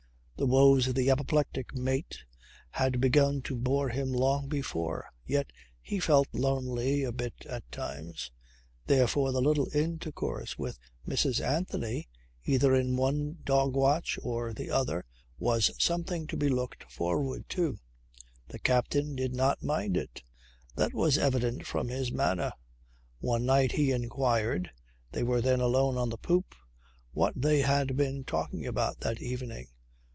The woes of the apoplectic mate had begun to bore him long before. Yet he felt lonely a bit at times. Therefore the little intercourse with Mrs. Anthony either in one dog watch or the other was something to be looked forward to. The captain did not mind it. That was evident from his manner. One night he inquired (they were then alone on the poop) what they had been talking about that evening?